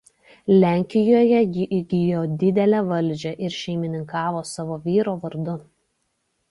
Lenkijoje ji įgijo didelę valdžią ir šeimininkavo savo vyro vardu.